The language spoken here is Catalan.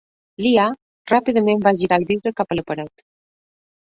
Liah ràpidament va girar el vidre cap a la paret.